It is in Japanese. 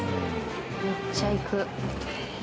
めっちゃ行く。